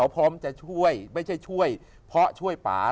พร้อมจะช่วยไม่ใช่ช่วยเพราะช่วยป่า